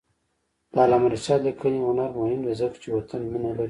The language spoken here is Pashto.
د علامه رشاد لیکنی هنر مهم دی ځکه چې وطن مینه لري.